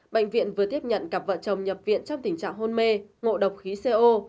bệnh viện vừa tiếp nhận cặp vợ chồng nhập viện trong tình trạng hôn mê ngộ độc khí co